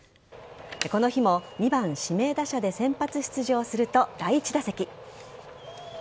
この日も２番・指名打者で先発出場すると第１打席。